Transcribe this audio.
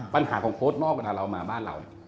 ปัญหาของโค้ชนอกได้รอมาบ้านเรา